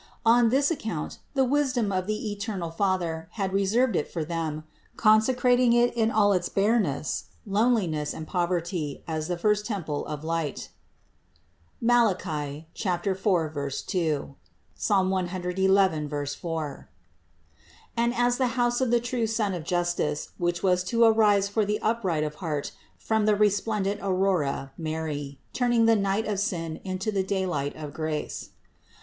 On this account the wis dom of the eternal Father had reserved it for Them, con secrating it in all its bareness, loneliness and poverty as the first temple of light (Malachy 4, 2, Ps. Ill, 4) and as the house of the true Sun of justice, which was to arise for the upright of heart from the resplendent Aurora Mary, turning the night of sin into the daylight of grace.